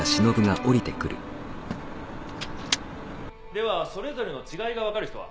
ではそれぞれの違いが分かる人は？